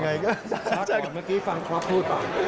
ชักออกเมื่อกี้ฟังครอบพูดป่ะ